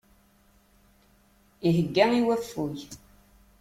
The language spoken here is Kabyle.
Ihegga i waffug.